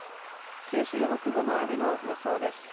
九州北部の雨の予想です。